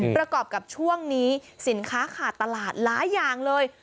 กับช่วงนี้สินค้าขาดตลาดหลายอย่างเลย